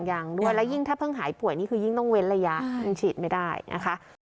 ยังด้วยแล้วยิ่งถ้าเพิ่งหายป่วยนี่คือยิ่งต้องเว้นระยะยังฉีดไม่ได้นะคะ